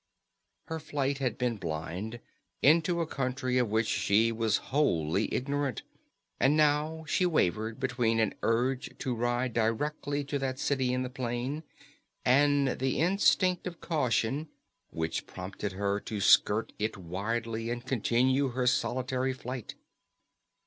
Her flight had been blind, into a country of which she was wholly ignorant. And now she wavered between an urge to ride directly to that city in the plain, and the instinct of caution which prompted her to skirt it widely and continue her solitary flight.